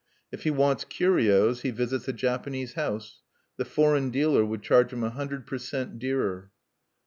If he wants curios he visits a Japanese house; the foreign dealer would charge him a hundred per cent. dearer.